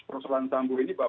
persoalan ferdisambu ini bahwa